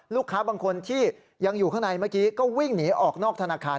ลูกค้าบางคนที่ยังอยู่ข้างในเมื่อกี้ก็วิ่งหนีออกนอกธนาคาร